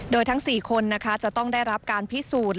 โดยทั้ง๔คนจะต้องได้รับการพิสูจน์